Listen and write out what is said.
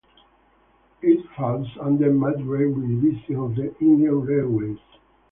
It falls under Madurai Division of the Indian Railways.